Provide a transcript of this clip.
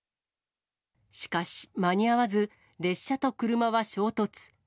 しかし間に合わず、列車と車は衝突。